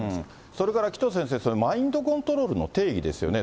それから紀藤先生、マインドコントロールの定義ですよね。